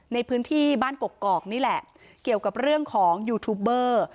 ในพื้นที่บ้านกกอกนี่แหละเกี่ยวกับเรื่องของยูทูบเบอร์